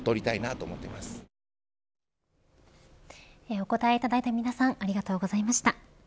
お答えいただいた皆さんありがとうございました。